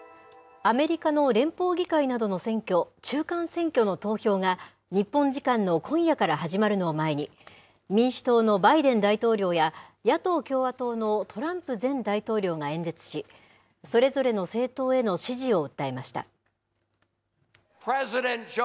アメリカの連邦議会などの選挙、中間選挙の投票が日本時間の今夜から始まるのを前に、民主党のバイデン大統領や、野党・共和党のトランプ前大統領が演説し、それぞれの政党への支持を訴えました。